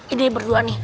ini berdua nih